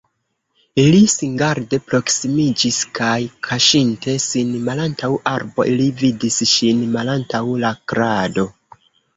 Li singarde proksimiĝis kaj kaŝinte sin malantaŭ arbo li vidis ŝin malantaŭ la krado.